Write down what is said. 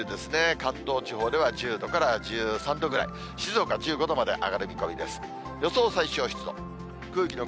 関東地方では１０度から１３度ぐらい、静岡１５度まで上がる見込みです。